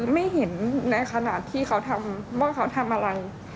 ไม่เห็นในขณะที่เขาทำว่าเขาทำอะไร